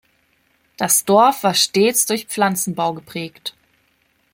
Das Dorf war stets durch Pflanzenbau geprägt.